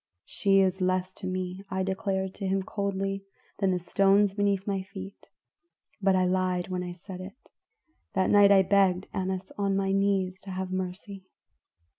"'She is less to me,' I declared to him coldly, 'than the stones beneath my feet.' But I lied when I said it. That night I begged Annas on my knees to have mercy.